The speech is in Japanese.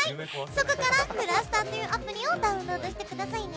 そこからｃｌｕｓｔｅｒというアプリをダウンロードしてくださいね。